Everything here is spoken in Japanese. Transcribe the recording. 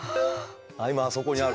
今あそこにある。